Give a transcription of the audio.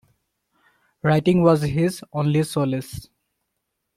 Writing was his only solace